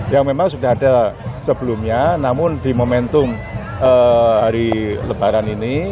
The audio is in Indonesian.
yang memang sudah ada sebelumnya namun di momentum hari lebaran ini